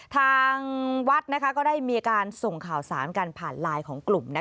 ทางวัดก็ได้มีการส่งข่าวสารกันผ่านไลน์ของกลุ่ม